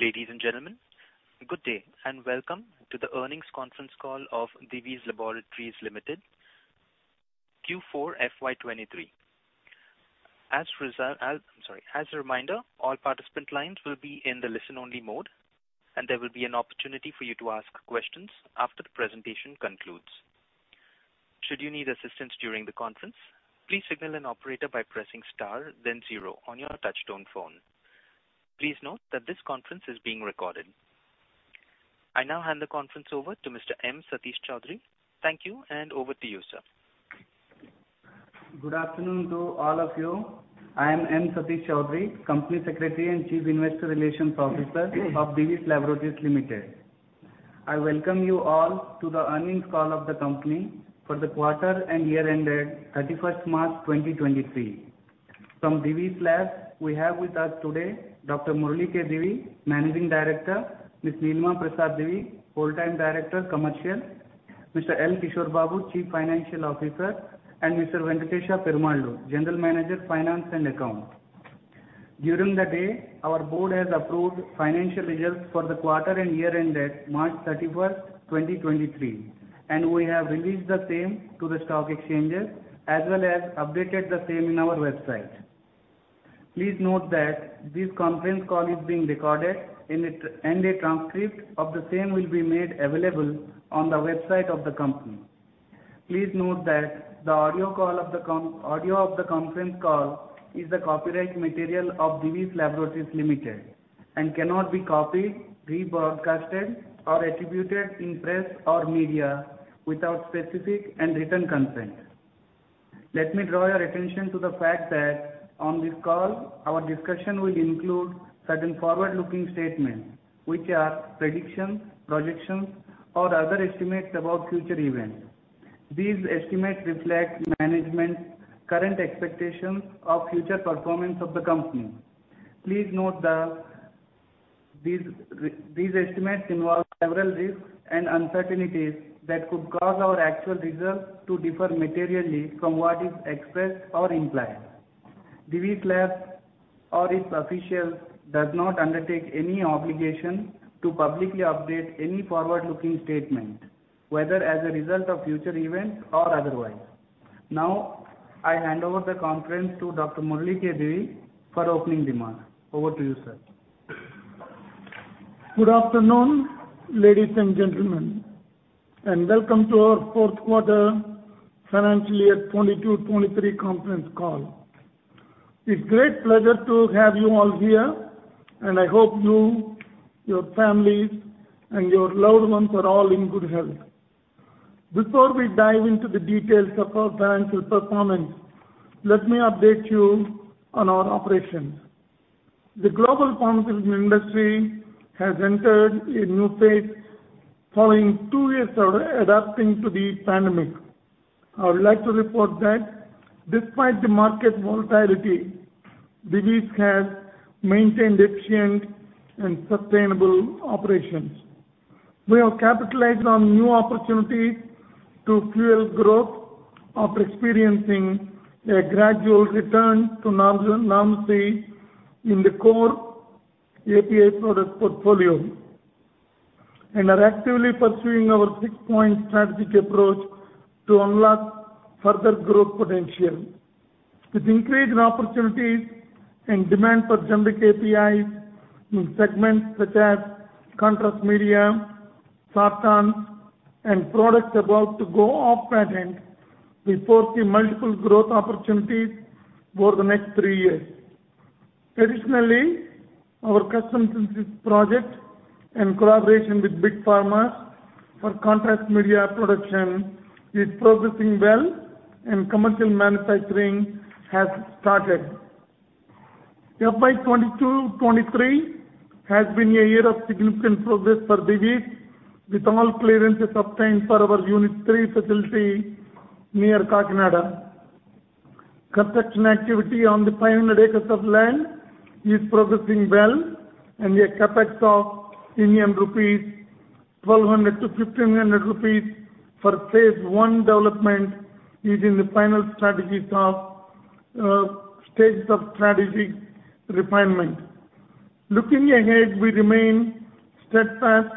Ladies and gentlemen, good day and welcome to The Earnings Conference Call of Divi's Laboratories Limited, Q4 FY 2023. I'm sorry. As a reminder, all participant lines will be in the listen only mode, and there will be an opportunity for you to ask questions after the presentation concludes. Should you need assistance during the conference, please signal an operator by pressing star then zero on your touchtone phone. Please note that this conference is being recorded. I now hand the conference over to Mr. M. Satish Choudhury. Thank you, and over to you, sir. Good afternoon to all of you. I am M. Satish Choudhury, Company Secretary and Chief Investor Relations Officer of Divi's Laboratories Limited. I welcome you all to The Earnings Call of The Company for The Quarter and Year-Ended March 31, 2023. From Divi's Labs, we have with us today Dr. Murali K. Divi, Managing Director, Ms. Nilima Prasad Divi, Whole-Time Director Commercial, Mr. L. Kishore Babu, Chief Financial Officer, and Mr. Venkatesa Perumallu, General Manager Finance and Accounts. During the day, our board has approved financial results for the quarter and year-ended March 31, 2023. We have released the same to the stock exchanges as well as updated the same in our website. Please note that this conference call is being recorded and a transcript of the same will be made available on the website of the company. Please note that the audio of the conference call is the copyright material of Divi's Laboratories Limited and cannot be copied, rebroadcasted or attributed in press or media without specific and written consent. Let me draw your attention to the fact that on this call, our discussion will include certain forward-looking statements which are predictions, projections or other estimates about future events. These estimates reflect management's current expectations of future performance of the Company. Please note that these estimates involve several risks and uncertainties that could cause our actual results to differ materially from what is expressed or implied. Divi's Lab or its officials does not undertake any obligation to publicly update any forward-looking statement, whether as a result of future events or otherwise. I hand over the conference to Dr. Murali K. Divi for opening remarks. Over to you, sir. Good afternoon, ladies and gentlemen, and welcome to our fourth quarter financial year 2022, 2023 conference call. It's great pleasure to have you all here. I hope you, your families, and your loved ones are all in good health. Before we dive into the details of our financial performance, let me update you on our operations. The global pharmaceutical industry has entered a new phase following two years of adapting to the pandemic. I would like to report that despite the market volatility, Divi's has maintained efficient and sustainable operations. We have capitalized on new opportunities to fuel growth after experiencing a gradual return to normalcy in the core API product portfolio, and are actively pursuing our 6-point strategic approach to unlock further growth potential. With increased opportunities and demand for Generic APIs in segments such as Contrast Media, Sartans, and products about to go off patent, we foresee multiple growth opportunities over the next three years. Additionally, our Custom Synthesis project in collaboration with Big Pharma for Contrast Media production is progressing well and commercial manufacturing has started. FY 2022, 2023 has been a year of significant progress for Divi's, with all clearances obtained for our Unit-3 facility near Kakinada. Construction activity on the 500 acres of land is progressing well and a CapEx of 1,200-1,500 rupees for phase I development is in the final stages of strategy refinement. Looking ahead, we remain steadfast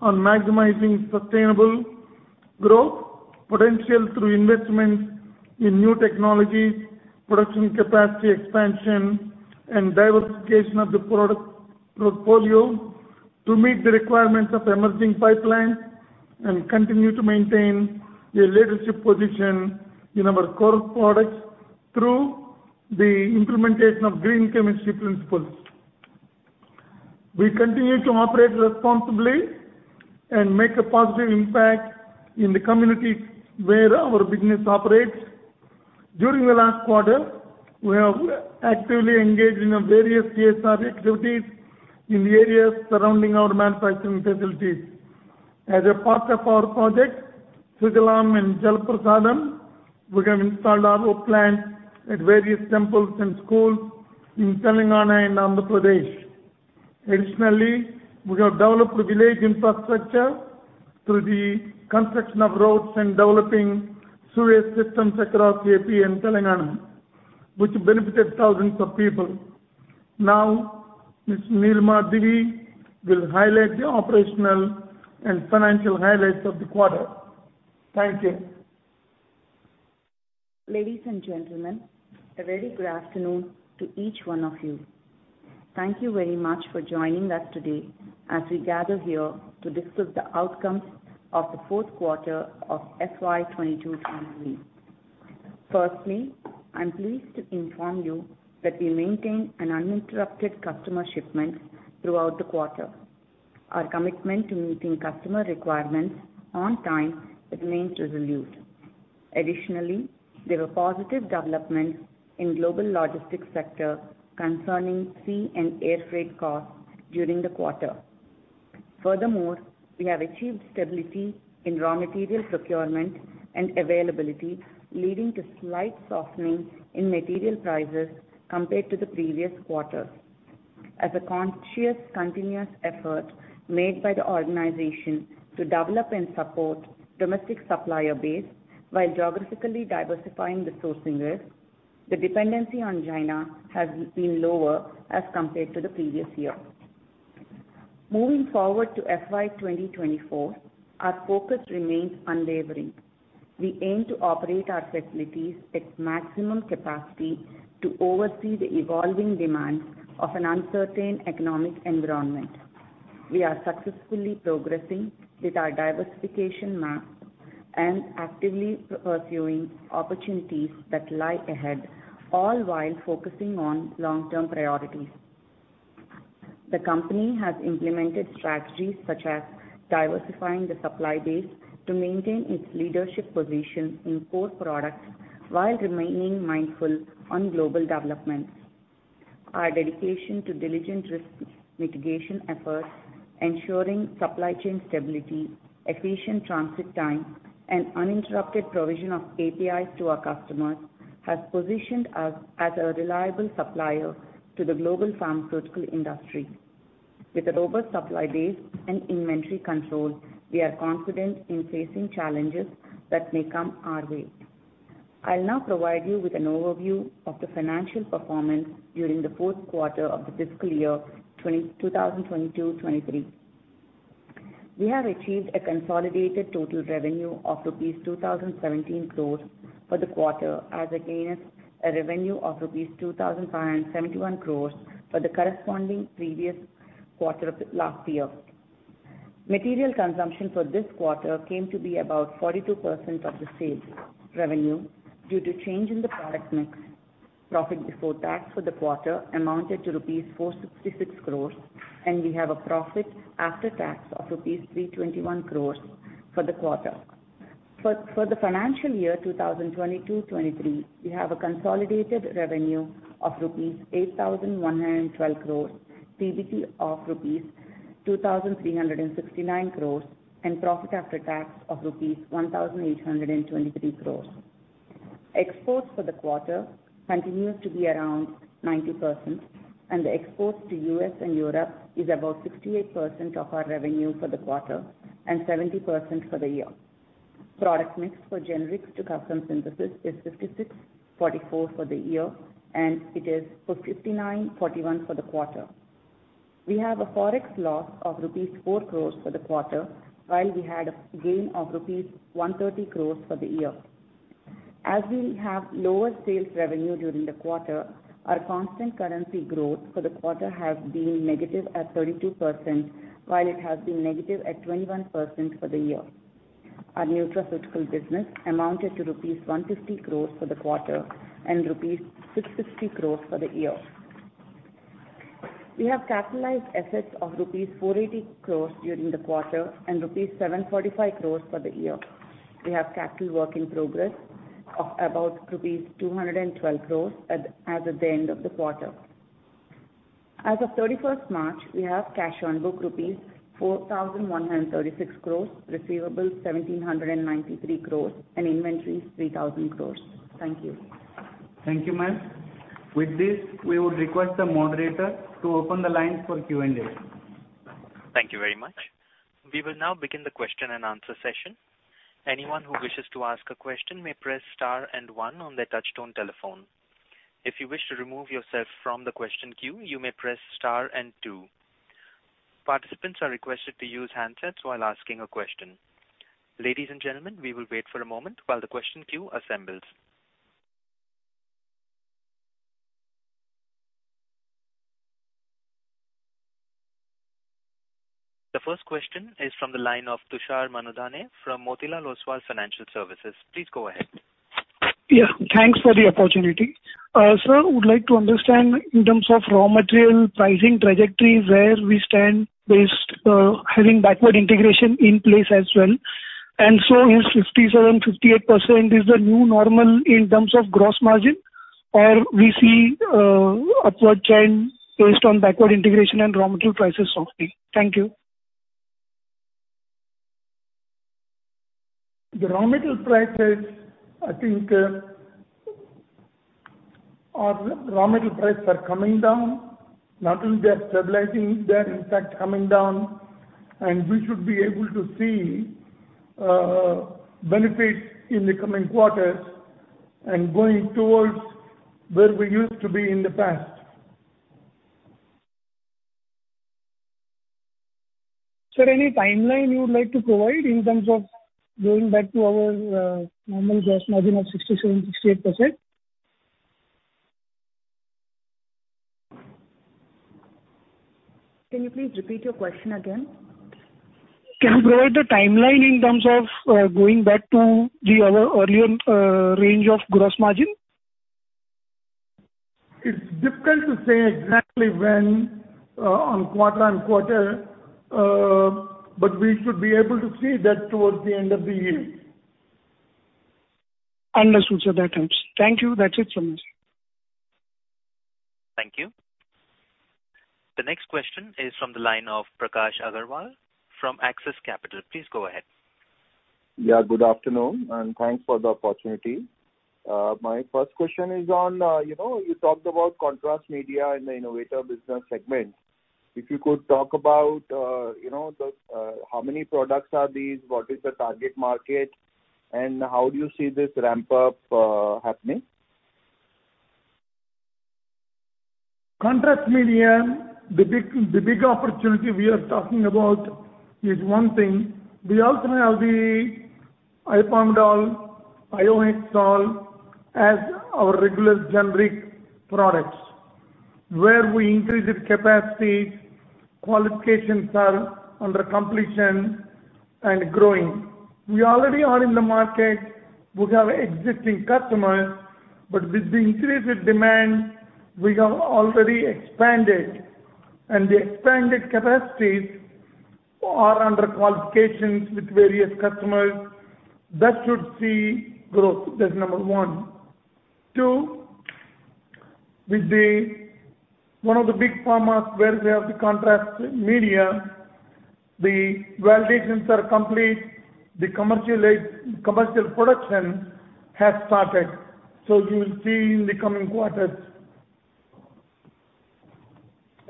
on maximizing sustainable growth potential through investments in new technologies, production capacity expansion, and diversification of the product portfolio to meet the requirements of emerging pipelines and continue to maintain a leadership position in our core products through the implementation of green chemistry principles. We continue to operate responsibly and make a positive impact in the communities where our business operates. During the last quarter, we have actively engaged in various CSR activities in the areas surrounding our manufacturing facilities. As a part of our project, Sujalam and Jalaprasadam, we have installed RO plants at various temples and schools in Telangana and Andhra Pradesh. We have developed village infrastructure through the construction of roads and developing sewage systems across AP and Telangana, which benefited thousands of people. Ms. Nilima Divi will highlight the operational and financial highlights of the quarter. Thank you. Ladies and gentlemen, a very good afternoon to each one of you. Thank you very much for joining us today as we gather here to discuss the outcomes of the fourth quarter of FY 2022, 2023. Firstly, I'm pleased to inform you that we maintained an uninterrupted customer shipments throughout the quarter. Our commitment to meeting customer requirements on time remains resolute. Additionally, there were positive developments in global logistics sector concerning sea and air freight costs during the quarter. Furthermore, we have achieved stability in raw material procurement and availability, leading to slight softening in material prices compared to the previous quarter. As a conscious, continuous effort made by the organization to develop and support domestic supplier base while geographically diversifying the sourcing risk, the dependency on China has been lower as compared to the previous year. Moving forward to FY 2024, our focus remains unwavering. We aim to operate our facilities at maximum capacity to oversee the evolving demands of an uncertain economic environment. We are successfully progressing with our diversification map and actively pursuing opportunities that lie ahead, all while focusing on long-term priorities. The company has implemented strategies such as diversifying the supply base to maintain its leadership position in core products while remaining mindful on global developments. Our dedication to diligent risk mitigation efforts, ensuring supply chain stability, efficient transit time, and uninterrupted provision of APIs to our customers has positioned us as a reliable supplier to the global pharmaceutical industry. With a robust supply base and inventory control, we are confident in facing challenges that may come our way. I'll now provide you with an overview of the financial performance during the fourth quarter of the fiscal year 2022, 2023. We have achieved a consolidated total revenue of rupees 2,017 crores for the quarter as against a revenue of rupees 2,571 crores for the corresponding previous quarter of the last year. Material consumption for this quarter came to be about 42% of the sales revenue due to change in the product mix. Profit before tax for the quarter amounted to rupees 466 crores. We have a profit after tax of rupees 321 crores for the quarter. For the financial year 2022-2023, we have a consolidated revenue of rupees 8,112 crores, PBT of rupees 2,369 crores, and profit after tax of rupees 1,823 crores. Exports for the quarter continues to be around 90%. The exports to U.S. and Europe is about 68% of our revenue for the quarter and 70% for the year. Product mix for generics to Custom Synthesis is 56%, 44% for the year. It is for 59%, 41% for the quarter. We have a Forex loss of rupees 4 crores for the quarter, while we had a gain of rupees 130 crores for the year. As we have lower sales revenue during the quarter, our constant currency growth for the quarter has been negative at 32%, while it has been negative at 21% for the year. Our nutraceutical business amounted to rupees 150 crores for the quarter and rupees 650 crores for the year. We have capitalized assets of rupees 480 crores during the quarter and rupees 745 crores for the year. We have capital work in progress of about rupees 212 crores as of the end of the quarter. As of 31st March, we have cash on book rupees 4,136 crores, receivables 1,793 crores and inventories 3,000 crores. Thank you. Thank you, ma'am. With this, we would request the moderator to open the lines for Q&A. Thank you very much. We will now begin the question and answer session. Anyone who wishes to ask a question may press star and one on their touchtone telephone. If you wish to remove yourself from the question queue, you may press star and two. Participants are requested to use handsets while asking a question. Ladies and gentlemen, we will wait for a moment while the question queue assembles. The first question is from the line of Tushar Manudhane from Motilal Oswal Financial Services. Please go ahead. Yeah, thanks for the opportunity. Sir, would like to understand in terms of raw material pricing trajectory, where we stand based, having backward integration in place as well. Is 57%-58% is the new normal in terms of gross margin, or we see, upward chain based on backward integration and raw material prices softening. Thank you. The raw metal prices, I think, our raw metal prices are coming down. Not only they're stabilizing, they are in fact coming down, and we should be able to see benefit in the coming quarters and going towards where we used to be in the past. Sir, any timeline you would like to provide in terms of going back to our normal gross margin of 67%, 68%? Can you please repeat your question again? Can you provide the timeline in terms of, going back to the earlier range of gross margin? It's difficult to say exactly when, quarter-on-quarter, but we should be able to see that towards the end of the year. Understood, sir. That helps. Thank you. That's it from me, sir. Thank you. The next question is from the line of Prakash Agarwal from Axis Capital. Please go ahead. Yeah, good afternoon, and thanks for the opportunity. My first question is on, you know, you talked about Contrast Media in the innovator business segment. If you could talk about, you know, the, how many products are these, what is the target market, and how do you see this ramp up happening? Contrast Media, the big opportunity we are talking about is one thing. We also have the iopamidol, iohexol as our regular generic products, where we increased capacity, qualifications are under completion and growing. We already are in the market. We have existing customers, but with the increased demand, we have already expanded, and the expanded capacities are under qualifications with various customers. That should see growth. That's number one. Two, with one of the Big pharmas where we have the Contrast Media, the validations are complete, commercial production has started. You will see in the coming quarters.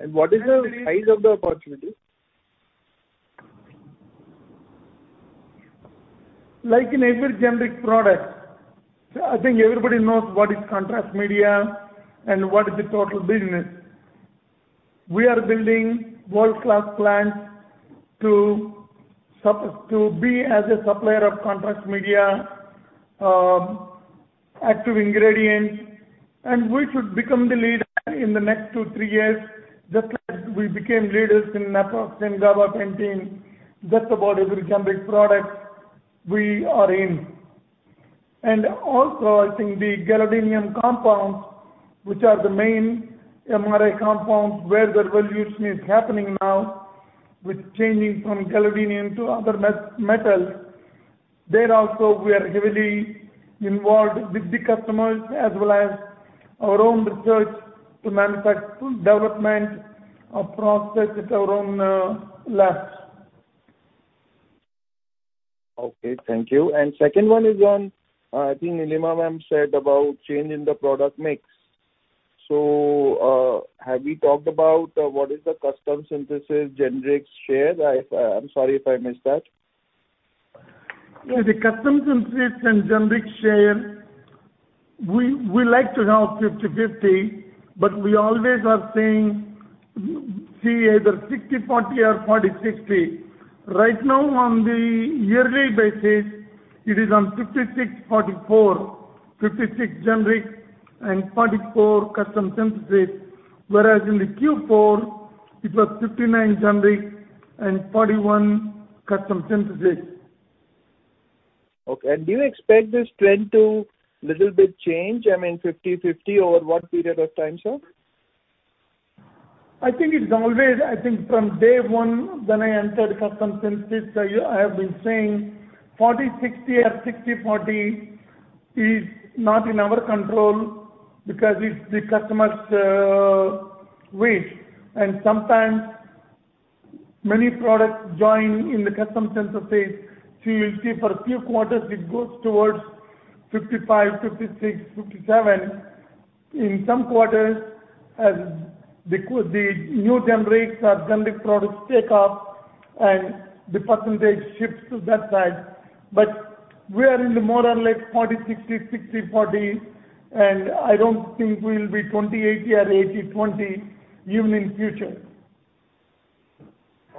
What is the size of the opportunity? Like in every generic product, I think everybody knows what is Contrast Media and what is the total business. We are building world-class plants to be as a supplier of Contrast Media, active ingredients. We should become the leader in the next two to three years, just like we became leaders in naproxen, gabapentin, just about every generic product we are in. Also, I think the gadolinium compounds, which are the main MRI compounds where the revolution is happening now with changing from gadolinium to other metals, there also we are heavily involved with the customers as well as our own research to manufacture development of process with our own labs. Okay, thank you. Second one is on, I think Nilima Ma'am said about change in the product mix. Have we talked about what is the Custom Synthesis generic share? I'm sorry if I missed that. The Custom Synthesis and generic share, we like to have 50/50, but we always are saying, see either 60/40 or 40/60. Right now, on the yearly basis, it is on 56, 44. 56 generic and 44 Custom Synthesis, whereas in the Q4 it was 59 generic and 41 Custom Synthesis. Okay. Do you expect this trend to little bit change, I mean, 50/50 over what period of time, sir? From day one when I entered Custom Synthesis, I have been saying 40/60 or 60/40 is not in our control because it's the customer's wish. Sometimes many products join in the Custom Synthesis. You'll see for a few quarters it goes towards 55, 56, 57. In some quarters as the new generic or generic products take off and the % shifts to that side. We are in the more or less 40/60/40, and I don't think we'll be 20/80 or 80/20 even in future.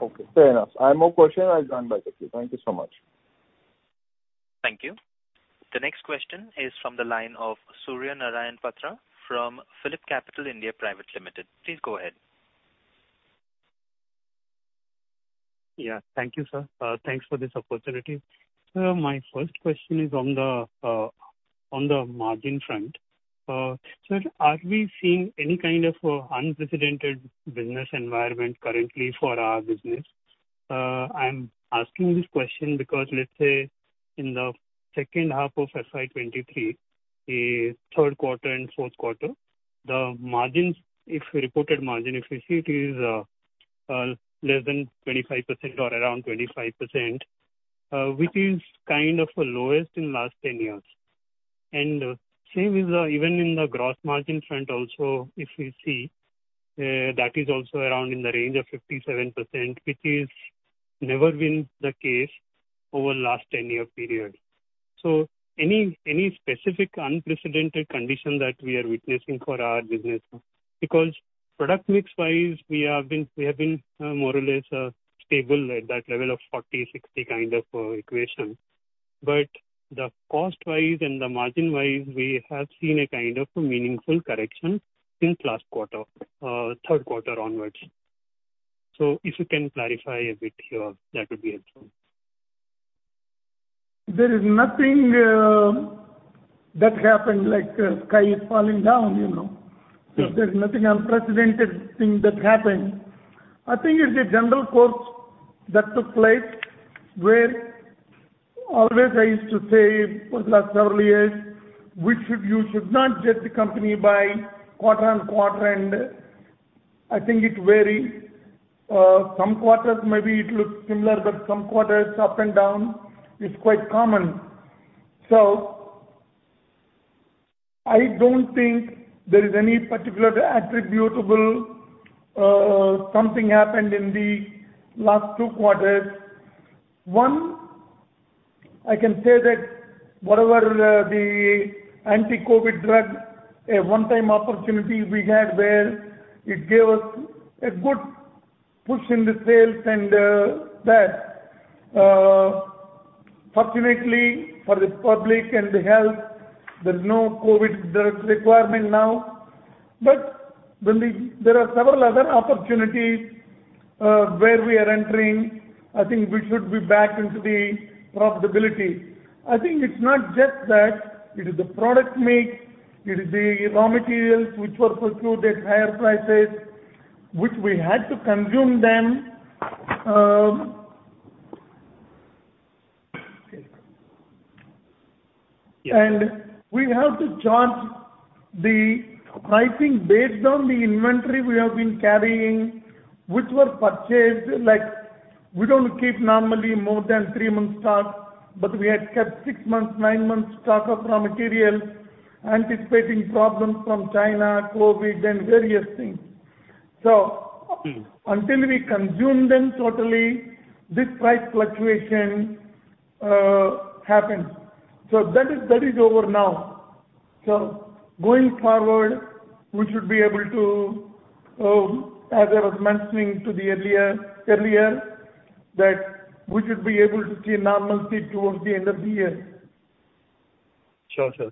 Okay, fair enough. I have no question. I'll join back with you. Thank you so much. Thank you. The next question is from the line of Surya Narayan Patra from PhillipCapital India Private Limited. Please go ahead. Thank you, sir. Thanks for this opportunity. Sir, my first question is on the margin front. Sir, are we seeing any kind of an unprecedented business environment currently for our business? I'm asking this question because let's say in the second half of FY 2023, the third quarter and fourth quarter, the margins, if reported margin, if you see it is less than 25% or around 25%, which is kind of the lowest in last 10 years. Same is even in the gross margin front also, if we see, that is also around in the range of 57%, which is never been the case over the last 10-year period. Any specific unprecedented condition that we are witnessing for our business? Product mix-wise, we have been more or less stable at that level of 40/60 kind of equation. The cost-wise and the margin-wise, we have seen a kind of meaningful correction in last quarter, third quarter onwards. If you can clarify a bit here, that would be helpful. There is nothing that happened like the sky is falling down, you know. Sure. There's nothing unprecedented thing that happened. I think it's a general course that took place where always I used to say for the last several years, you should not judge the company by quarter-on-quarter, and I think it varies. Some quarters maybe it looks similar, but some quarters up and down is quite common. I don't think there is any particular attributable something happened in the last two quarters. One, I can say that whatever the anti-COVID drug, a one-time opportunity we had where it gave us a good push in the sales and that fortunately for the public and the health, there's no COVID drug requirement now. There are several other opportunities where we are entering, I think we should be back into the profitability. I think it's not just that. It is the product mix. It is the raw materials which were procured at higher prices, which we had to consume them. Yes. We have to charge the pricing based on the inventory we have been carrying, which were purchased. Like, we don't keep normally more than three months stock, but we had kept six months, nine months stock of raw materials, anticipating problems from China, COVID, and various things. Mm-hmm. Until we consume them totally, this price fluctuation happens. That is over now. Going forward, we should be able to, as I was mentioning to the earlier, that we should be able to see normalcy towards the end of the year. Sure, sir.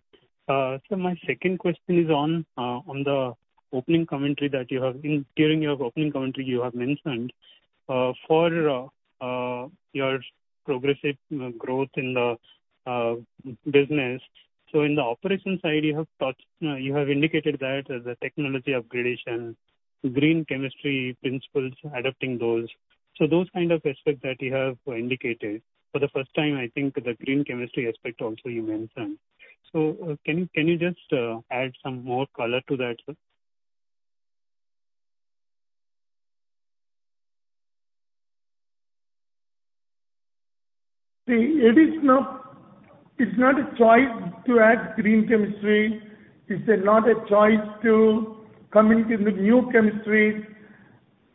My second question is on the opening commentary. During your opening commentary, you have mentioned for your progressive growth in the business. In the operations side, you have touched, you have indicated that the technology upgradation, green chemistry principles, adapting those. Those kind of aspects that you have indicated for the first time, I think the green chemistry aspect also you mentioned. Can you just add some more color to that, sir? It is not, it's not a choice to add green chemistry. It's not a choice to come in with new chemistry.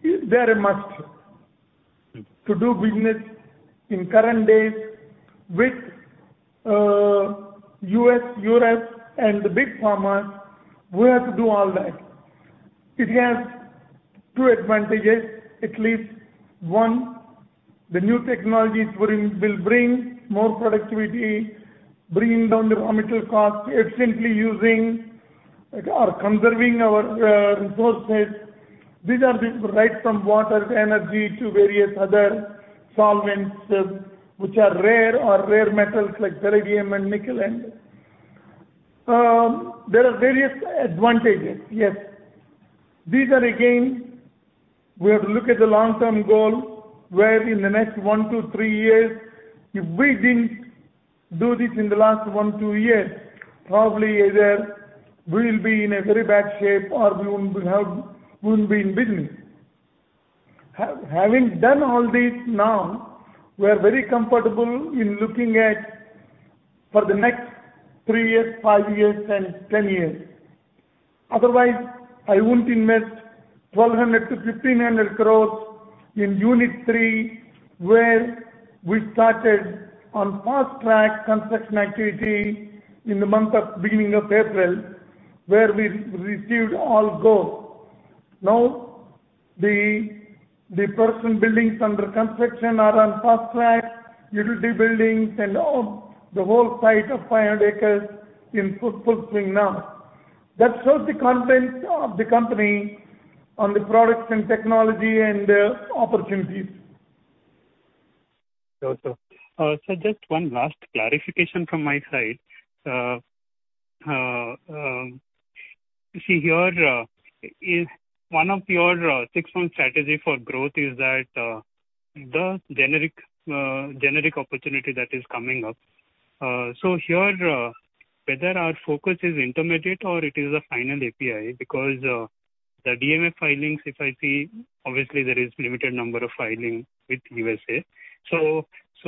They're a must. Mm-hmm. To do business in current days with U.S., Europe and the Big Pharma, we have to do all that. It has two advantages at least. One, the new technologies will bring more productivity, bringing down the raw material costs, efficiently using or conserving our resources. These are the rights from water, energy to various other solvents which are rare or rare metals like beryllium and nickel. There are various advantages, yes. These are, again, we have to look at the long-term goal, where in the next one to three years, if we didn't do this in the last one to two years, probably either we'll be in a very bad shape or we wouldn't be in business. Having done all this now, we are very comfortable in looking at for the next three years, five years and 10 years. I wouldn't invest 1,200-1,500 crores in Unit-3, where we started on fast track construction activity in the month of beginning of April, where we received all go. The person buildings under construction are on fast track, utility buildings and all the whole site of 500 acres in full swing now. That shows the content of the company on the products and technology and opportunities. Sure, sir. Just one last clarification from my side. See here, is one of your six-month strategy for growth is that the generic opportunity that is coming up. Here, whether our focus is intermediate or it is a final API because the DMF filings, if I see, obviously there is limited number of filing with USA.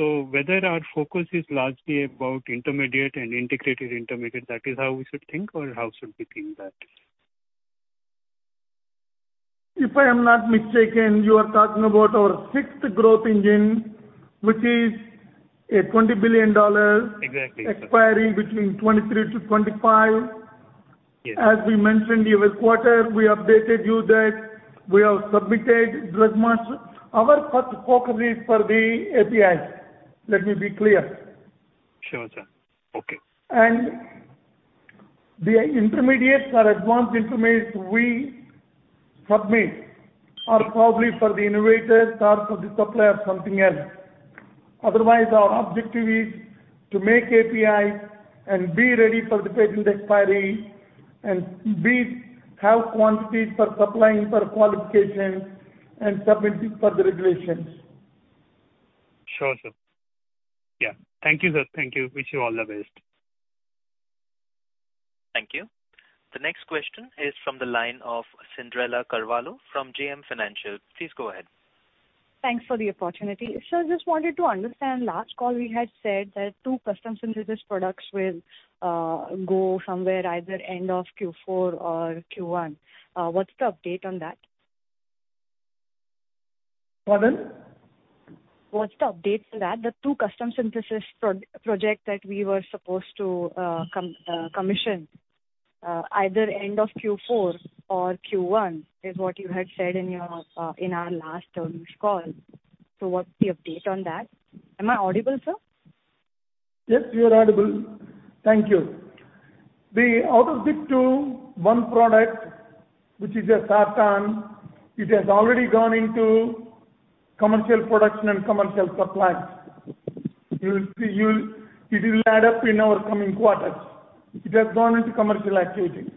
Whether our focus is largely about intermediate and integrated intermediate, that is how we should think or how should we think that? If I am not mistaken, you are talking about our sixth growth engine, which is a $20 billion- Exactly, sir. Expiry between 2023-2025. Yes. As we mentioned the last quarter, we updated you that we have submitted Drug Master. Our first focus is for the APIs. Let me be clear. Sure, sir. Okay. The intermediates or advanced intermediates we submit are probably for the innovators or for the supplier of something else. Otherwise, our objective is to make APIs and be ready for the patent expiry and have quantities for supplying for qualifications and submitting for the regulations. Sure, sir. Yeah. Thank you, sir. Thank you. Wish you all the best. Thank you. The next question is from the line of Cyndrella Carvalho from JM Financial. Please go ahead. Thanks for the opportunity. Sir, just wanted to understand, last call we had said that two Custom Synthesis products will go somewhere either end of Q4 or Q1. What's the update on that? Pardon? What's the update for that? The two Custom Synthesis project that we were supposed to commission either end of Q4 or Q1 is what you had said in your in our last call. What's the update on that? Am I audible, sir? Yes, you are audible. Thank you. The out of the two, one product which is a Sartan, it has already gone into commercial production and commercial supply. You'll see, it will add up in our coming quarters. It has gone into commercial activity.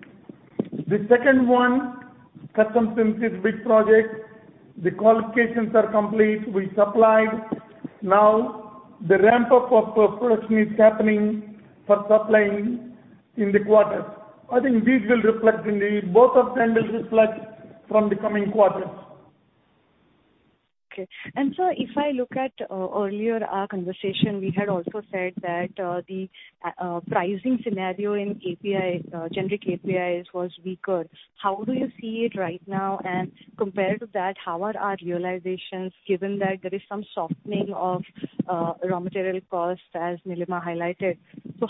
The second one, Custom Synthesis bid project, the qualifications are complete. We supplied. Now the ramp-up of production is happening for supplying in the quarter. I think these will reflect. Both of them will reflect from the coming quarters. Okay. Sir, if I look at earlier our conversation, we had also said that the pricing scenario in API, Generic APIs was weaker. How do you see it right now? Compared to that, how are our realizations given that there is some softening of raw material costs as Nilima highlighted?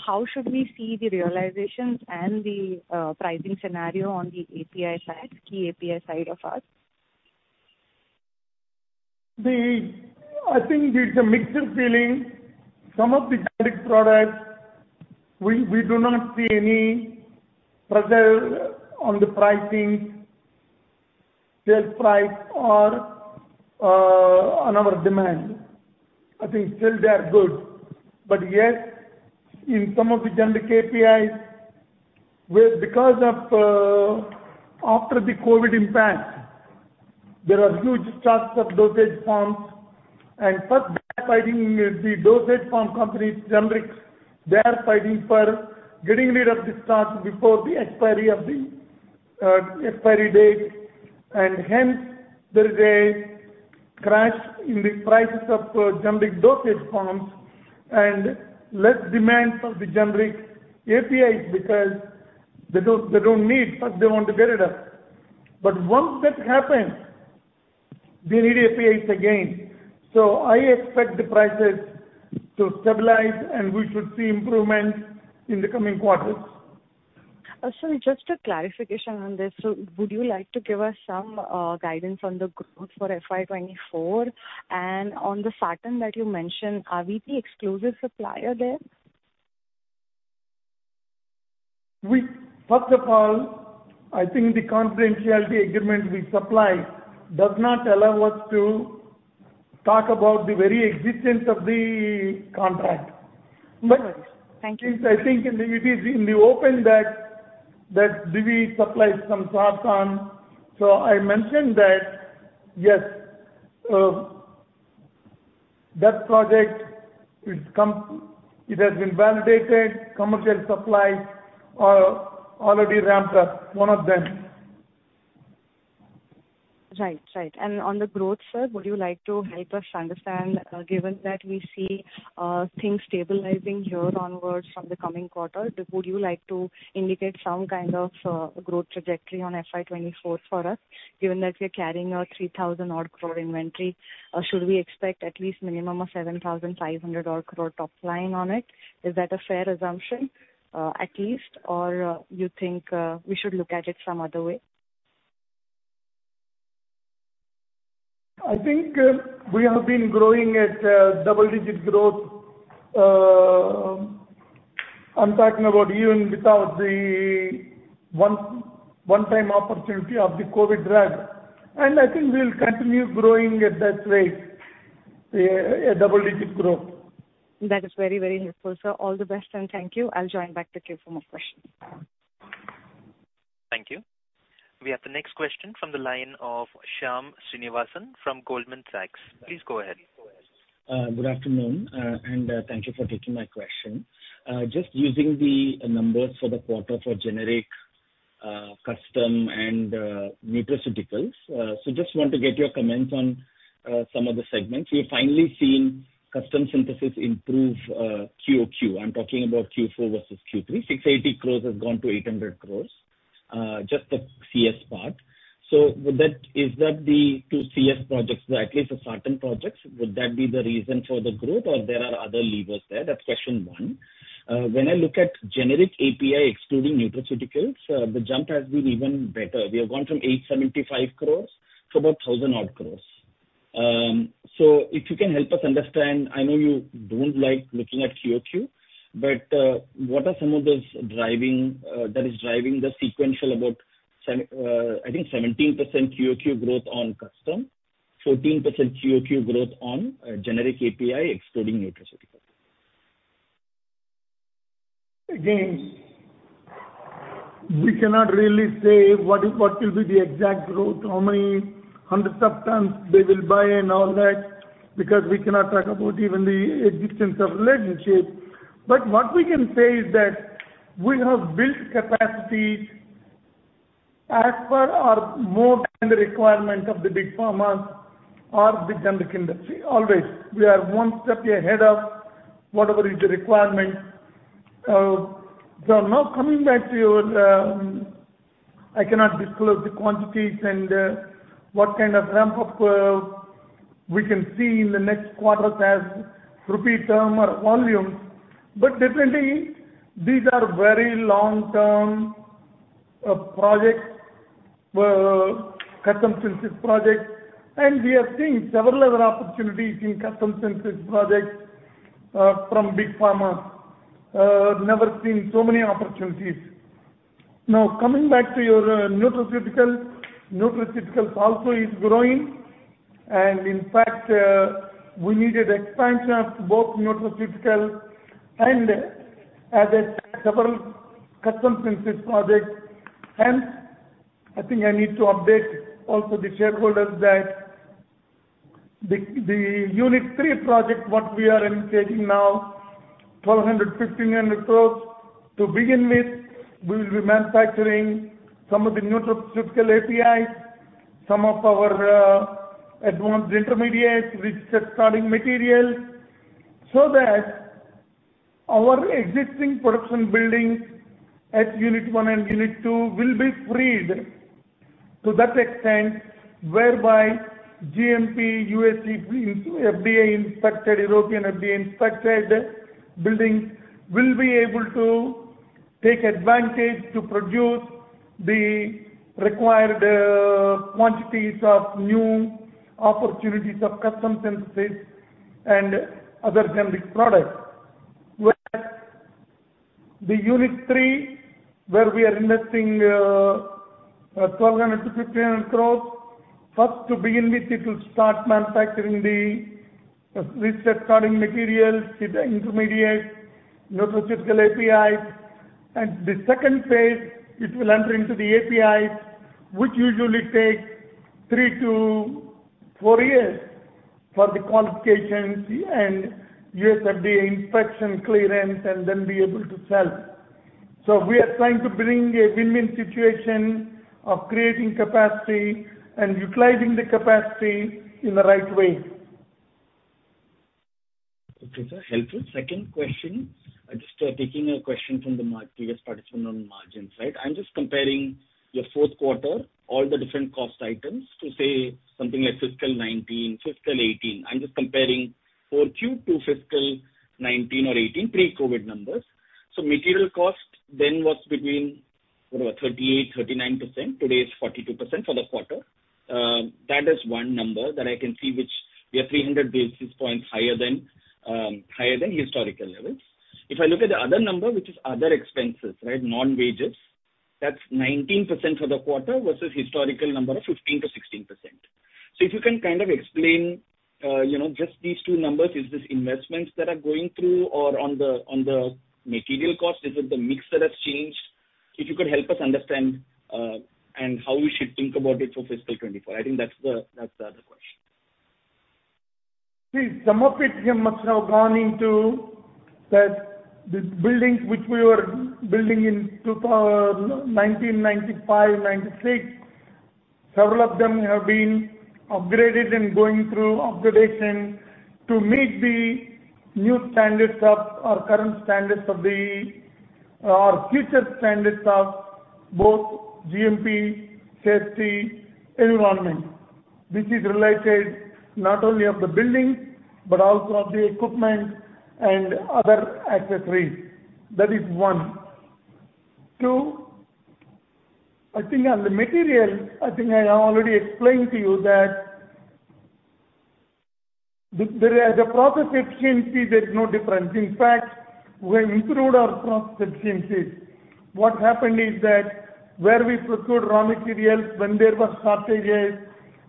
How should we see the realizations and the pricing scenario on the API side, key API side of ours? I think it's a mixed feeling. Some of the generic products we do not see any pressure on the pricing, sales price or on our demand. I think still they are good. Yes, in some of the Generic APIs where because of after the COVID impact, there are huge stocks of dosage forms and first they are fighting, the dosage form companies, generics, they are fighting for getting rid of the stocks before the expiry of the expiry date. Hence there is a crash in the prices of generic dosage forms and less demand for the Generic APIs because they don't need, first they want to get rid of. Once that happens, they need APIs again. I expect the prices to stabilize, and we should see improvement in the coming quarters. Sir, just a clarification on this. Would you like to give us some guidance on the growth for FY 2024? On the Sartan that you mentioned, are we the exclusive supplier there? First of all, I think the confidentiality agreement we supply does not allow us to talk about the very existence of the contract. No worries. Thank you. It is in the open that Divi's supplies some Sartan. I mentioned that, yes, that project it's come, it has been validated, commercial supply, already ramped up, one of them. Right. On the growth, sir, would you like to help us understand, given that we see, things stabilizing here onwards from the coming quarter, would you like to indicate some kind of, growth trajectory on FY24 for us, given that we are carrying a 3,000 odd crore inventory? Should we expect at least minimum of 7,500 odd crore top line on it? Is that a fair assumption, at least? Or you think, we should look at it some other way? I think, we have been growing at double-digit growth. I'm talking about even without the one-time opportunity of the COVID drug. I think we'll continue growing at that rate, a double-digit growth. That is very, very helpful, sir. All the best and thank you. I'll join back with you for more questions. Thank you. We have the next question from the line of Shyam Srinivasan from Goldman Sachs. Please go ahead. Good afternoon, and thank you for taking my question. Just using the numbers for the quarter for generic, custom and Nutraceuticals. Just want to get your comments on some of the segments. We've finally seen Custom Synthesis improve QOQ. I'm talking about Q4 vs Q3. 680 crores has gone to 800 crores, just the CS part. Is that the two CS projects, or at least the Sartan projects, would that be the reason for the growth or there are other levers there? That's question one. When I look at Generic API excluding Nutraceuticals, the jump has been even better. We have gone from 875 crores to about 1,000 odd crores. If you can help us understand, I know you don't like looking at QOQ, but, what are some of those that is driving the sequential about I think 17% QOQ growth on custom, 14% QOQ growth on Generic API excluding Nutraceutical? Again, we cannot really say what will be the exact growth, how many 100 tons they will buy and all that, because we cannot talk about even the existence of relationship. What we can say is that we have built capacity as per our more than the requirement of the Big Pharma or the generic industry. Always, we are one step ahead of whatever is the requirement. Now coming back to your. I cannot disclose the quantities and what kind of ramp-up we can see in the next quarters as rupee term or volume. Definitely, these are very long-term projects, Custom Synthesis projects, and we are seeing several other opportunities in Custom Synthesis projects from Big Pharma. Never seen so many opportunities. Coming back to your Nutraceutical. Nutraceuticals also is growing. In fact, we needed expansion of both nutraceutical and, as I said, several Custom Synthesis projects. I think I need to update also the shareholders that the Unit-3 project, what we are indicating now, 1,200-1,500 crores. To begin with, we will be manufacturing some of the nutraceutical APIs, some of our advanced intermediates with starting materials so that our existing production buildings at unit 1 and unit 2 will be freed to that extent whereby GMP, USFDA, FDA-inspected, European FDA-inspected buildings will be able to take advantage to produce the required quantities of new opportunities of Custom Synthesis and other generic products. The Unit-3, where we are investing 1,200-1,500 crores, first to begin with it will start manufacturing the research starting materials with intermediates, nutraceutical APIs. The second phase, it will enter into the APIs, which usually take three to four years for the qualifications and USFDA inspection clearance and then be able to sell. We are trying to bring a win-win situation of creating capacity and utilizing the capacity in the right way. Okay, sir. Helpful. Second question, just taking a question from the previous participant on margins, right? I'm just comparing your fourth quarter, all the different cost items to, say, something like fiscal 2019, fiscal 2018. I'm just comparing 4Q to fiscal 2019 or 2018 pre-COVID numbers. Material cost then was between about 38%-39%. Today it's 42% for the quarter. That is one number that I can see which we are 300 basis points higher than historical levels. If I look at the other number, which is other expenses, right? Non-wages. That's 19% for the quarter vs historical number of 15%-16%. If you can kind of explain, you know, just these two numbers. Is this investments that are going through? On the material cost, is it the mix that has changed? If you could help us understand and how we should think about it for fiscal 2025. I think that's the other question. See, some of it here must have gone into that the buildings which we were building in 1995, 1996, several of them have been upgraded and going through upgradation to meet the new standards of, or current standards of the, or future standards of both GMP, safety, environment. This is related not only of the building, but also of the equipment and other accessories. That is one. Two, I think on the material, I think I have already explained to you that the process efficiency, there's no difference. In fact, we have improved our process efficiencies. What happened is that where we procured raw materials when there were shortages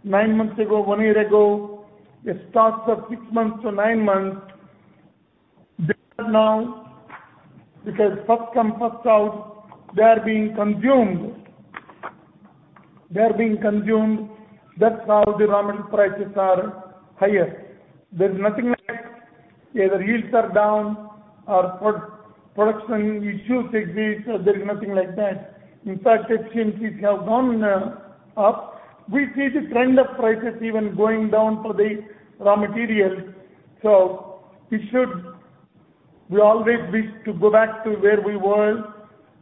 nine months ago, one year ago, the stocks of six months to nine months, now because first come, first out, they are being consumed. They are being consumed. That's how the raw material prices are higher. There's nothing like either yields are down or pro-production issues exist. There's nothing like that. In fact, since it has gone, up, we see the trend of prices even going down for the raw material. We always wish to go back to where we were.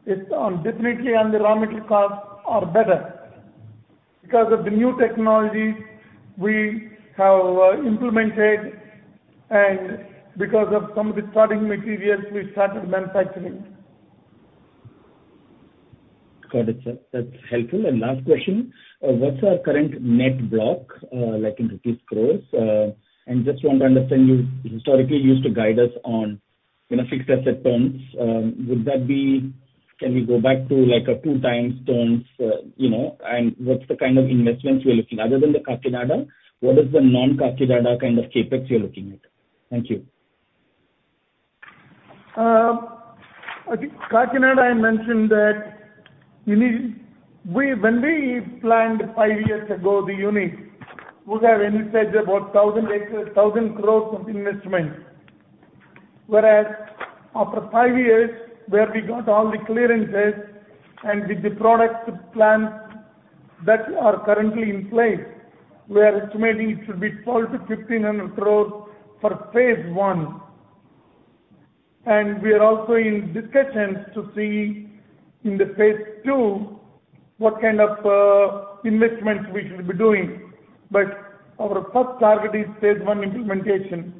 It's, definitely on the raw material costs are better because of the new technology we have, implemented and because of some of the starting materials we started manufacturing. Got it, sir. That's helpful. Last question, what's our current net block, like in rupees crores? Just want to understand you historically used to guide us on, you know, fixed asset turns. Can we go back to like a two times turns, you know? What's the kind of investments you're looking other than the Kakinada, what is the non-Kakinada kind of CapEx you're looking at? Thank you. I think Kakinada, I mentioned that when we planned five years ago the unit, we have invested about 1,000 acres, 1,000 crores of investment. Whereas after five years, where we got all the clearances and with the product plant that are currently in place, we are estimating it should be 1,200-1,500 crores for phase I. We are also in discussions to see in the phase II what kind of investments we should be doing. Our first target is phase I implementation.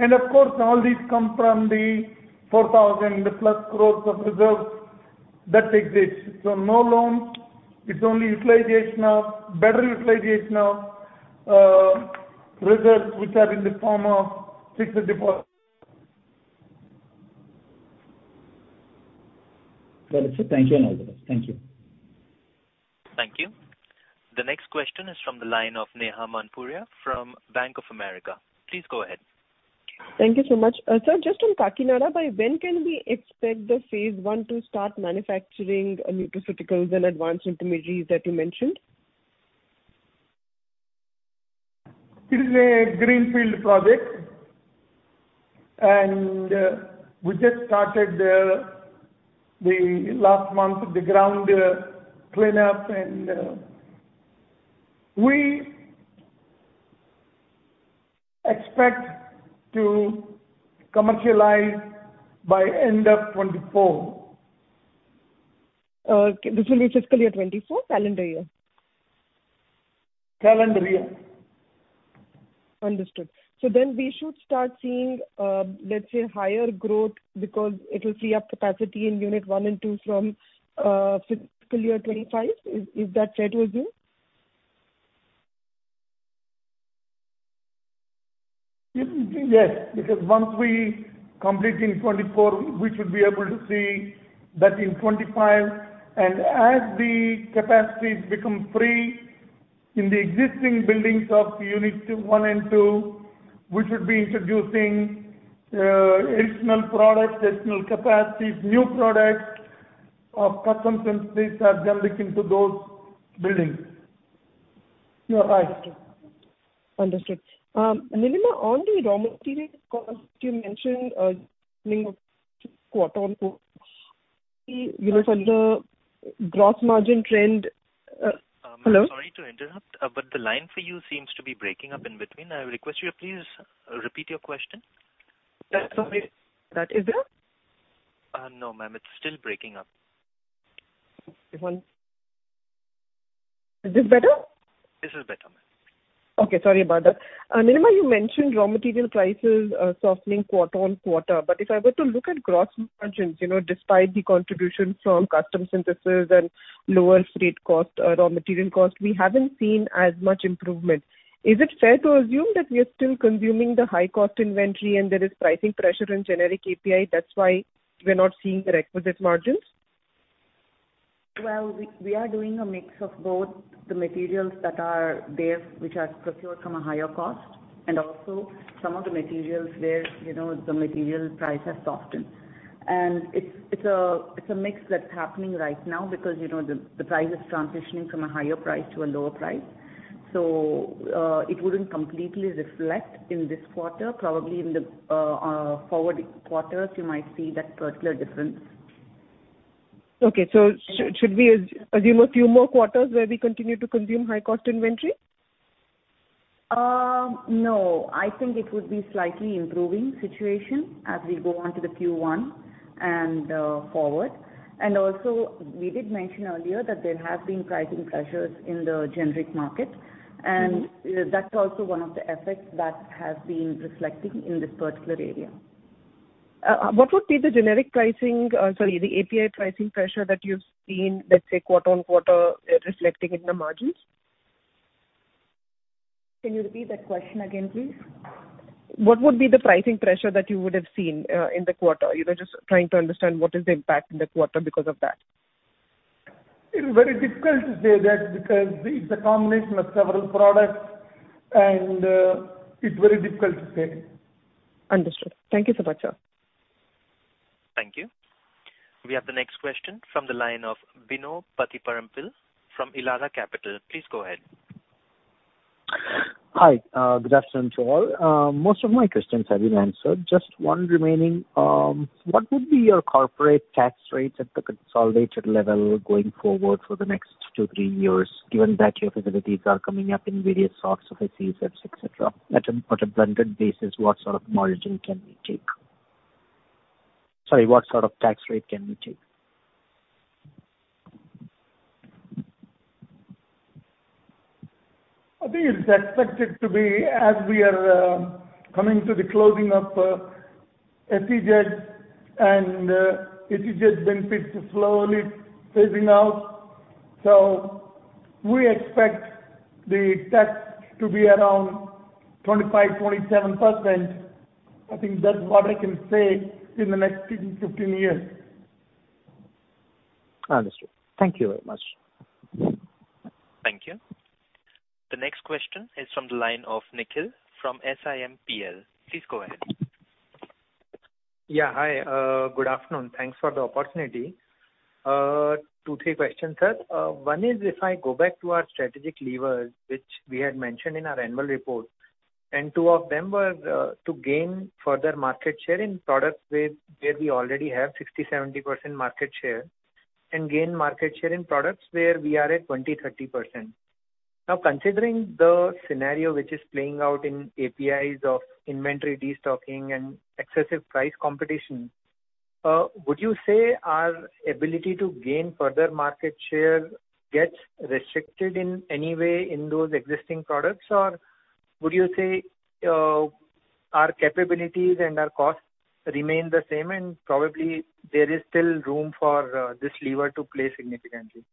Of course, all these come from the 4,000+ crores of reserves that exists. No loan, it's only better utilization of reserves which are in the form of fixed deposit. Got it, sir. Thank you and all the best. Thank you. Thank you. The next question is from the line of Neha Manpuria from Bank of America. Please go ahead. Thank you so much. Sir, just on Kakinada, by when can we expect the phase one to start manufacturing Nutraceuticals and advanced intermediaries that you mentioned? It is a greenfield project, and we just started the last month with the ground cleanup. We expect to commercialize by end of 2024. Okay. This will be fiscal year 2024, calendar year? Calendar year. Understood. We should start seeing, let's say, higher growth because it will free up capacity in unit one and two from fiscal year 2025. Is that fair to assume? Yes, because once we complete in 2024, we should be able to see that in 2025. As the capacities become free in the existing buildings of Unit-1 and 2, we should be introducing additional products, additional capacities, new products of Custom Synthesis are then looking to those buildings. You are right. Understood. Nilima, on the raw material cost, you mentioned, quarter-on-quarter for the gross margin trend. Hello? I'm sorry to interrupt, but the line for you seems to be breaking up in between. I request you to please repeat your question. Sorry. That is better? No, ma'am, it's still breaking up. Is this better? This is better, ma'am. Okay. Sorry about that. Nilima, you mentioned raw material prices, softening quarter-on-quarter. If I were to look at gross margins, you know, despite the contribution from Custom Synthesis and lower freight cost, raw material cost, we haven't seen as much improvement. Is it fair to assume that we are still consuming the high cost inventory and there is pricing pressure in Generic API, that's why we're not seeing the requisite margins? Well, we are doing a mix of both the materials that are there, which are procured from a higher cost, and also some of the materials where, you know, the material price has softened. It's a mix that's happening right now because, you know, the price is transitioning from a higher price to a lower price. It wouldn't completely reflect in this quarter. Probably in the forward quarters you might see that particular difference. Okay. Should we assume a few more quarters where we continue to consume high cost inventory? No. I think it would be slightly improving situation as we go on to the Q1 and forward. We did mention earlier that there have been pricing pressures in the generic market, and that's also one of the effects that has been reflecting in this particular area. What would be the generic pricing, sorry, the API pricing pressure that you've seen, let's say quarter-on-quarter, reflecting in the margins? Can you repeat that question again, please? What would be the pricing pressure that you would have seen, in the quarter? You know, just trying to understand what is the impact in the quarter because of that. It is very difficult to say that because it's a combination of several products, and it's very difficult to say. Understood. Thank you so much, sir. Thank you. We have the next question from the line of Bino Pathiparampil from Elara Capital. Please go ahead. Hi. Good afternoon to all. Most of my questions have been answered. Just one remaining. What would be your corporate tax rates at the consolidated level going forward for the next two, three years, given that your facilities are coming up in various sorts of SEZs, et cetera? On a blended basis, what sort of margin can we take? Sorry, what sort of tax rate can we take? I think it's expected to be as we are coming to the closing of SEZ and SEZ benefits slowly phasing out. We expect the tax to be around 25%-27%. I think that's what I can say in the next 15 years. Understood. Thank you very much. Thank you. The next question is from the line of Nikhil from SiMPL. Please go ahead. Yeah. Hi. Good afternoon. Thanks for the opportunity. Two, three questions, sir. One is, if I go back to our strategic levers, which we had mentioned in our annual report. Two of them were to gain further market share in products where we already have 60%, 70% market share and gain market share in products where we are at 20%, 30%. Now, considering the scenario which is playing out in APIs of inventory destocking and excessive price competition, would you say our ability to gain further market share gets restricted in any way in those existing products? Or would you say, our capabilities and our costs remain the same, and probably there is still room for this lever to play significantly?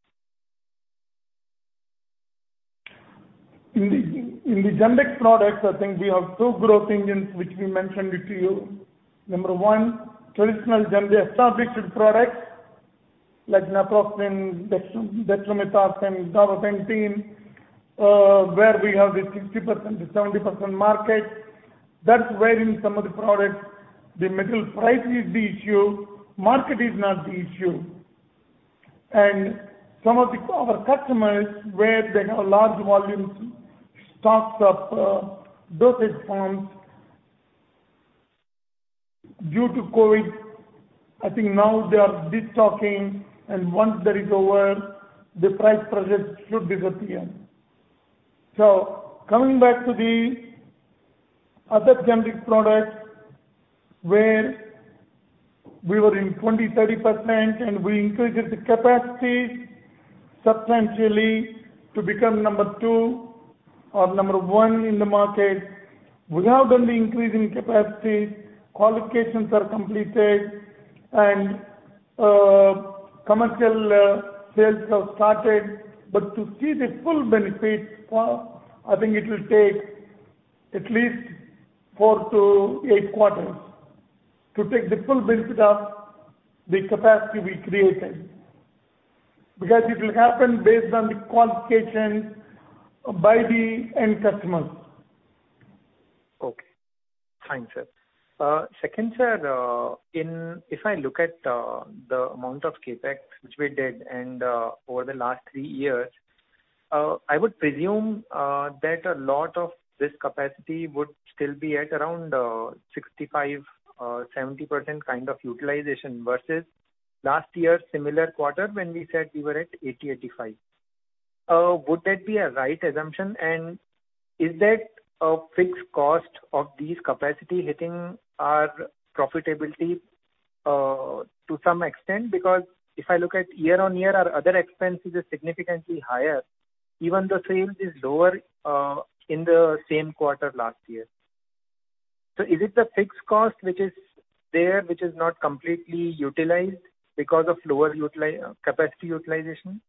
In the generic products, I think we have two growth engines which we mentioned it to you. Number one, traditional generic established products like naproxen, Dexamethasone, Darunavir, where we have the 60%-70% market. That's where in some of the products the material price is the issue, market is not the issue. Some of our customers, where they have large volumes, stocks of dosage forms due to COVID, I think now they are destocking. Once that is over, the price pressure should be better here. Coming back to the other generic products where we were in 20%, 30% and we increased the capacity substantially to become number two or number one in the market. We have done the increase in capacity, qualifications are completed and commercial sales have started. To see the full benefit, I think it will take at least four to eight quarters to take the full benefit of the capacity we created, because it will happen based on the qualification by the end customer. Okay. Fine, sir. Second, sir, If I look at the amount of CapEx which we did and, over the last three years, I would presume that a lot of this capacity would still be at around 65%-70% kind of utilization vs last year's similar quarter when we said we were at 80%-85%. Would that be a right assumption? Is that a fixed cost of these capacity hitting our profitability, to some extent? If I look at year-on-year, our other expenses are significantly higher, even the sales is lower, in the same quarter last year. Is it the fixed cost which is there, which is not completely utilized because of lower capacity utilization?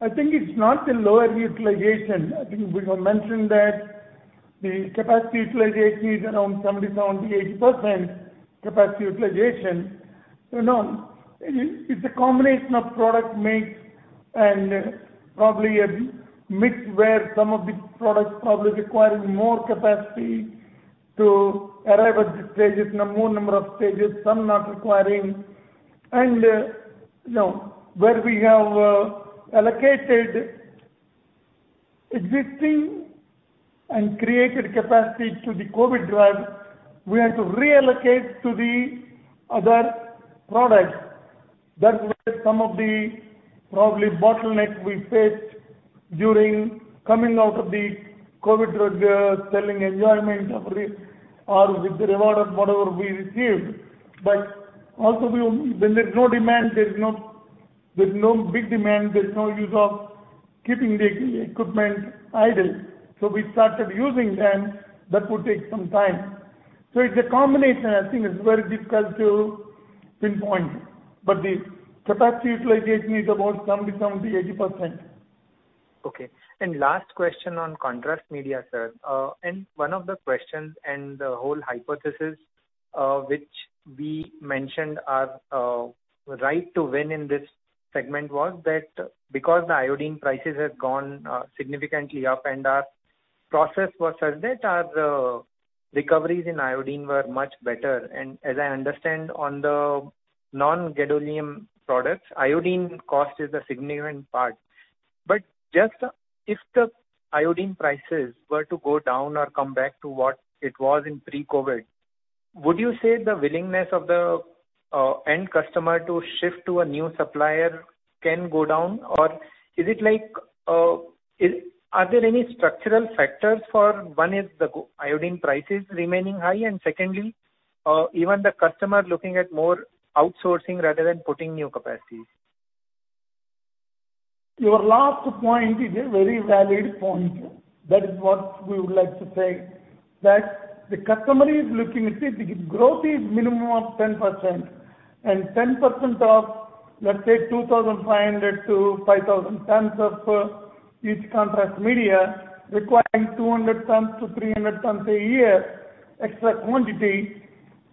I think it's not the lower utilization. I think we have mentioned that the capacity utilization is around 70-80% capacity utilization. You know, it's a combination of product mix and probably a mix where some of the products probably requiring more capacity to arrive at the stages, no more number of stages, some not requiring. You know, where we have allocated existing and created capacity to the COVID drug, we have to reallocate to the other products. That's where some of the probably bottleneck we faced during coming out of the COVID drug, selling enjoyment or with the reward or whatever we received. Also, when there's no demand, there's no big demand, there's no use of keeping the equipment idle. We started using them. That would take some time. It's a combination. I think it's very difficult to pinpoint, but the capacity utilization is about 70-80%. Okay. Last question on Contrast Media, sir. One of the questions and the whole hypothesis, which we mentioned are, right to win in this segment was that because the iodine prices have gone significantly up and our process was such that our recoveries in iodine were much better. As I understand on the non-gadolinium products, iodine cost is a significant part. Just if the iodine prices were to go down or come back to what it was in pre-COVID, would you say the willingness of the end customer to shift to a new supplier can go down or is it like? Are there any structural factors for one is the iodine prices remaining high and secondly, even the customer looking at more outsourcing rather than putting new capacities? Your last point is a very valid point. That is what we would like to say, that the customer is looking at it. The growth is minimum of 10% and 10% of, let's say, 2,500-5,000 tons of each Contrast Media requiring 200-300 tons a year extra quantity.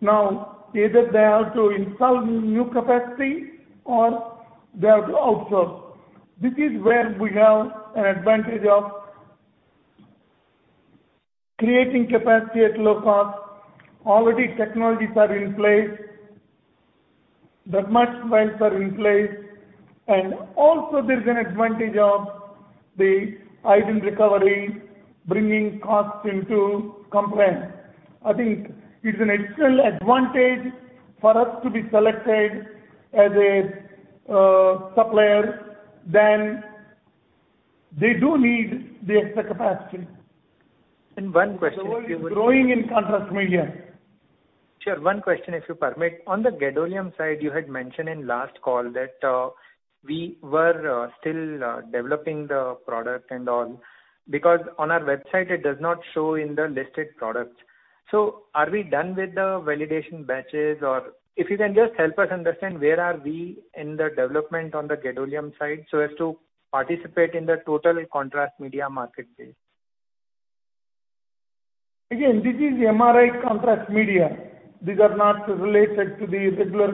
Now, either they have to install new capacity or they have to outsource. This is where we have an advantage of creating capacity at low cost. Already technologies are in place, that much plants are in place, and also there's an advantage of the iodine recovery bringing costs into compliance. I think it's an external advantage for us to be selected as a supplier than they do need the extra capacity. one question- The world is growing in Contrast Media. Sure. One question, if you permit. On the gadolinium side, you had mentioned in last call that, we were, still, developing the product and all, because on our website it does not show in the listed products. Are we done with the validation batches? If you can just help us understand where are we in the development on the gadolinium side so as to participate in the total Contrast Media market space? This is MRI Contrast Media. These are not related to the regular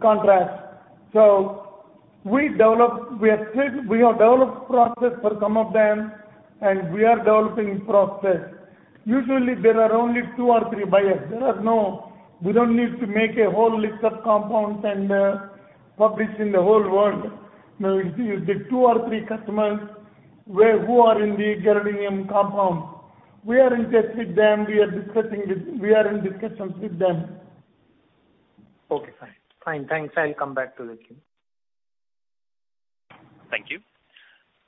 contrast. We developed, we have said we have developed process for some of them and we are developing process. Usually there are only two or three buyers. We don't need to make a whole list of compounds and publish in the whole world. If you, the two or three customers where, who are in the gadolinium compound, we are in touch with them. We are in discussions with them. Okay, fine. Fine. Thanks. I'll come back to the queue. Thank you.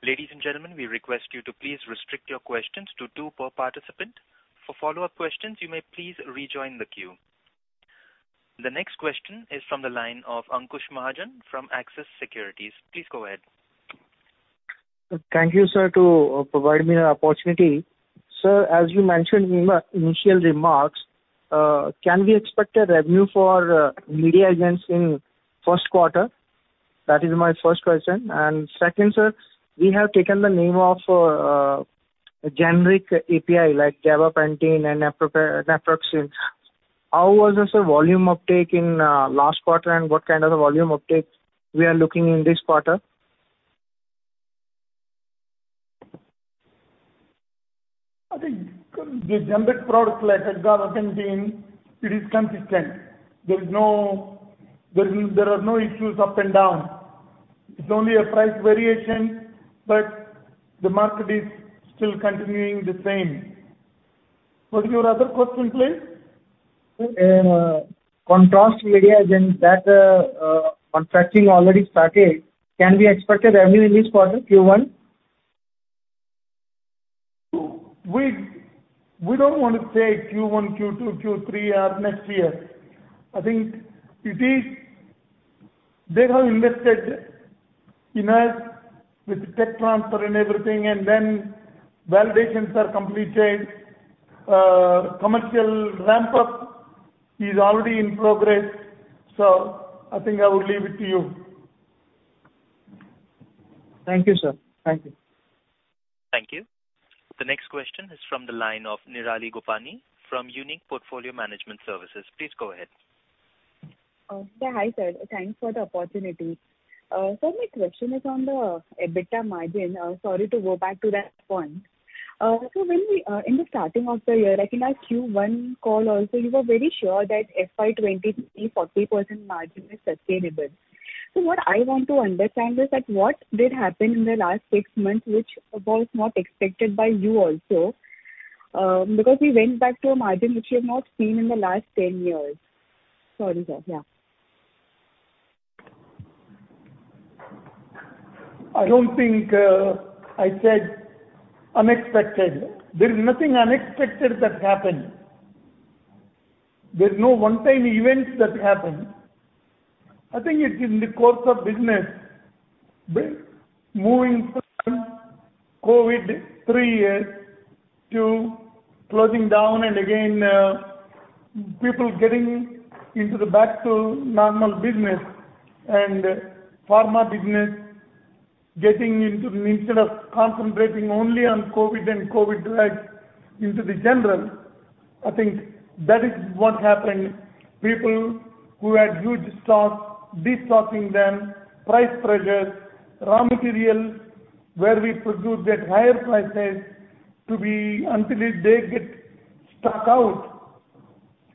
Ladies and gentlemen, we request you to please restrict your questions to two per participant. For follow-up questions, you may please rejoin the queue. The next question is from the line of Ankush Mahajan from Axis Securities. Please go ahead. Thank you, Sir, to provide me an opportunity. Sir, as you mentioned in the initial remarks, can we expect a revenue for Contrast Media in first quarter? That is my first question. Second, Sir, we have taken the name of Generic API like gabapentin and naproxen. How was the volume uptake in last quarter and what kind of volume uptake we are looking in this quarter? I think the generic products like gabapentin, it is consistent. There are no issues up and down. It's only a price variation. The market is still continuing the same. What's your other question, please? Contrast Media agent that contracting already started. Can we expect a revenue in this quarter, Q1? We don't want to say Q1, Q2, Q3 or next year. I think it is they have invested in us with tech transfer and everything, and then validations are completed. Commercial ramp up is already in progress. I think I would leave it to you. Thank you, sir. Thank you. Thank you. The next question is from the line of Nirali Gopani from Unique Asset Management. Please go ahead. Hi, sir. Thanks for the opportunity. My question is on the EBITDA margin. Sorry to go back to that point. When we in the starting of the year, I think our Q1 call also you were very sure that FY 2023, 40% margin is sustainable. What I want to understand is that what did happen in the last six months which was not expected by you also, because we went back to a margin which we have not seen in the last 10 years. Sorry, sir. Yeah. I don't think, I said unexpected. There is nothing unexpected that happened. There's no one-time events that happened. It is in the course of business, the moving forward COVID three years to closing down and again, people getting into the back to normal business and pharma business getting into instead of concentrating only on COVID and COVID drugs into the general. That is what happened. People who had huge stocks, destocking them, price pressures, raw materials where we produced at higher prices to be until they get stuck out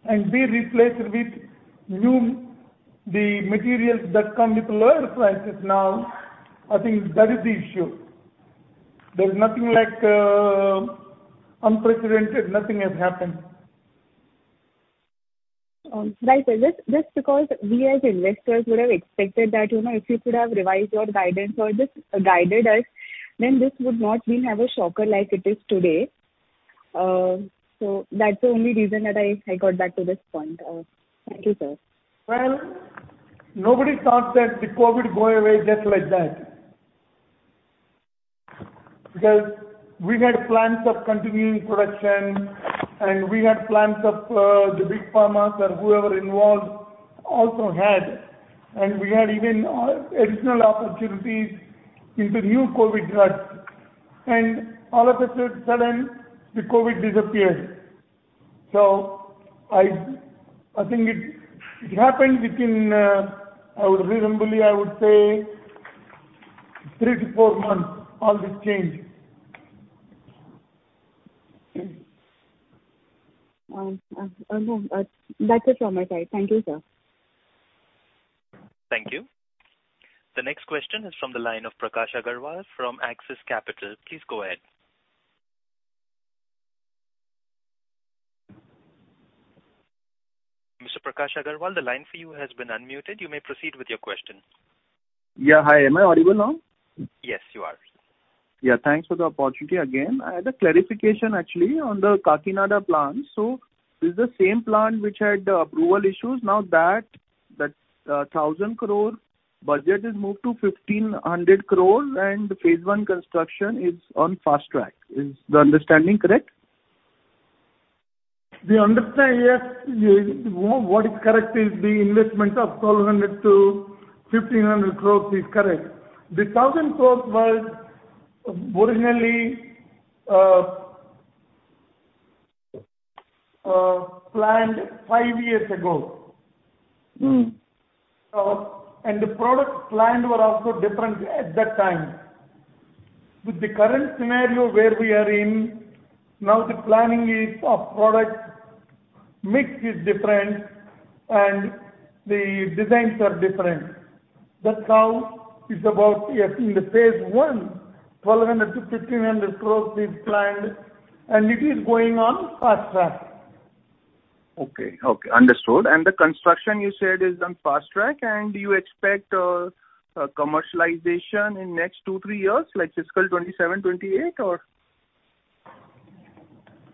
and be replaced with new, the materials that come with lower prices now. That is the issue. There's nothing like unprecedented. Nothing has happened. Right. Just because we as investors would have expected that, you know, if you could have revised your guidance or just guided us, then this would not been have a shocker like it is today. That's the only reason that I got back to this point. Thank you, sir. Nobody thought that the COVID go away just like that. We had plans of continuing production and we had plans of the Big Pharmas or whoever involved also had. We had even additional opportunities into new COVID drugs. All of a sudden the COVID disappeared. I think it happened within I would reasonably, I would say three to four months, all this changed. Mm-hmm. No, that's it from my side. Thank you, sir. Thank you. The next question is from the line of Prakash Agarwal from Axis Capital. Please go ahead. Mr. Prakash Agarwal, the line for you has been unmuted. You may proceed with your question. Yeah. Hi. Am I audible now? Yes, you are. Yeah. Thanks for the opportunity again. I had a clarification actually on the Kakinada plant. This is the same plant which had approval issues. Now that, 1,000 crore budget is moved to 1,500 crore and phase one construction is on fast track. Is the understanding correct? The understanding, yes. What is correct is the investment of 1,200 crores-1,500 crores is correct. The 1,000 crores was originally planned five years ago. Mm-hmm. The products planned were also different at that time. With the current scenario where we are in, now the planning is of product mix is different and the designs are different. That's how it's about, yeah, in the phase I, 1,200 crore-1,500 crore is planned and it is going on fast track. Okay. Okay. Understood. The construction you said is on fast track and you expect a commercialization in next two, three years, like fiscal 2027, 2028 or?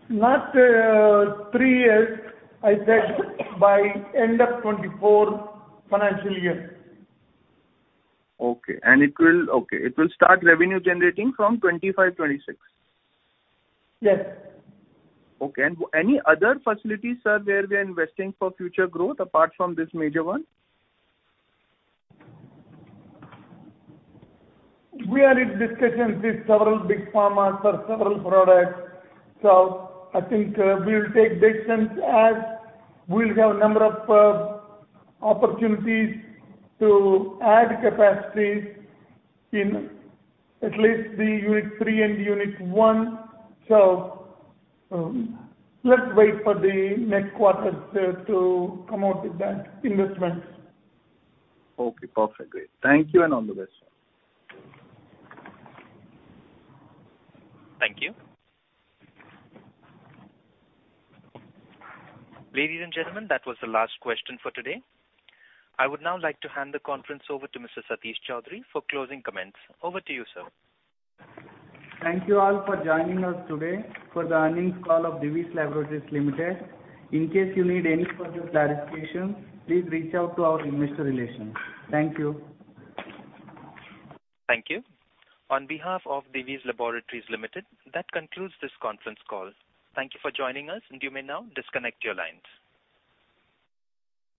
Not, three years. I said by end of 2024 financial year. Okay. Okay. It will start revenue generating from 2025, 2026. Yes. Okay. Any other facilities, sir, where we are investing for future growth apart from this major one? We are in discussions with several Big Pharmas for several products. I think, we'll take decisions as we'll have number of opportunities to add capacities in at least the Unit-3 and Unit-1. Let's wait for the next quarter to come out with that investment. Okay. Perfect. Great. Thank you and all the best. Thank you. Ladies and gentlemen, that was the last question for today. I would now like to hand the conference over to Mr. Satish Choudhury for closing comments. Over to you, sir. Thank you all for joining us today for the earnings call of Divi's Laboratories Limited. In case you need any further clarification, please reach out to our investor relations. Thank you. Thank you. On behalf of Divi's Laboratories Limited, that concludes this conference call. Thank you for joining us, and you may now disconnect your lines.